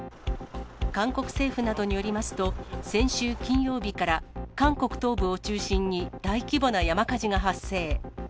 韓国政府などによりますと、先週金曜日から、韓国東部を中心に大規模な山火事が発生。